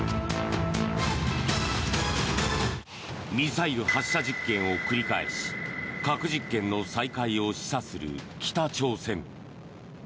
ミサイル発射実験を繰り返し核実験の再開を示唆する北朝鮮。